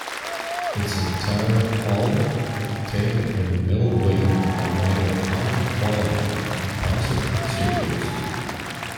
Its entire hull, tail and middle wing are made of high-quality composite materials.